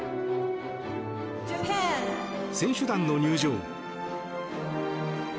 選手団の入場。